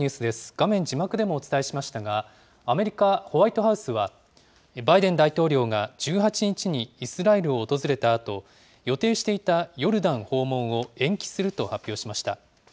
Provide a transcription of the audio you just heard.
画面字幕でもお伝えしましたが、アメリカ・ホワイトハウスは、バイデン大統領が１８日にイスラエルを訪れたあと予定していたヨルダン訪問を延期すると発表しました。